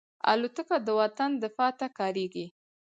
الوتکه د وطن دفاع ته کارېږي.